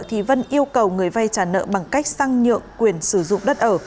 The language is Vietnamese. thì vân yêu cầu người vay trả nợ bằng cách sang nhượng quyền sử dụng đất ở